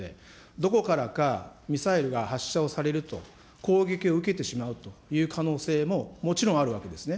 どこからかミサイルが発射をされると、攻撃を受けてしまうという可能性も、もちろんあるわけですね。